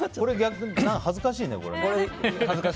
恥ずかしいね、これ。